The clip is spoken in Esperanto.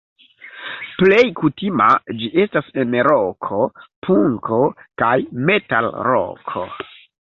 Plej kutima ĝi estas en roko, punko kaj metalroko.